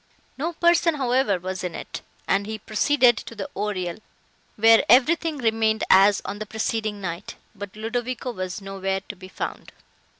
No person, however, was in it, and he proceeded to the oriel, where everything remained as on the preceding night, but Ludovico was nowhere to be found.